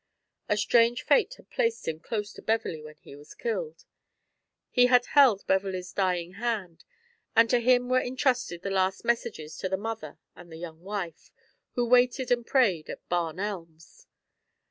A strange fate had placed him close to Beverley when he was killed. He had held Beverley's dying hand, and to him were intrusted the last messages to the mother and the young wife, who waited and prayed at Barn Elms.